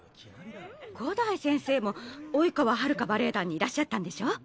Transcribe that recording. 五代先生も生川はるかバレエ団にいらっしゃったんでしょ？